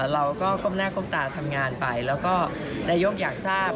เราก็ก้มหน้าก้มตาทำงานไปแล้วก็นายกอยากทราบ